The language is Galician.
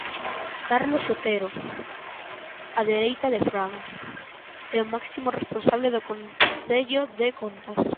Carlos Otero _á dereita de Fraga_ é o máximo responsable do Consello de Contas.